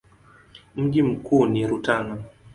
Mji mkuu ni Rutana.